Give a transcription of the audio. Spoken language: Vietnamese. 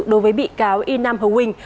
đối với bị cáo y nam hồ quỳnh